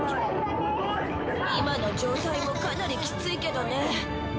◆今の状態もかなりきついけどね。